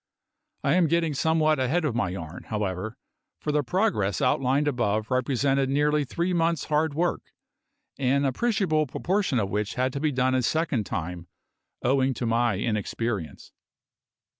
I am getting somewhat ahead of my yarn, however; for the progress outlined above represented nearly three months' hard work, an appreciable proportion of which had to be done a second time, owing to my inexperience.